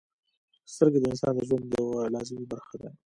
• سترګې د انسان د ژوند یوه لازمي برخه ده.